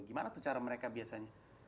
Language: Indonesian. gimana tuh cara mereka biasanya